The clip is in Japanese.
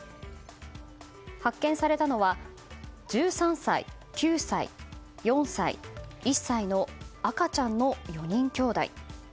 発見されたのは１３歳、９歳、４歳１歳の赤ちゃんの４人きょうだい。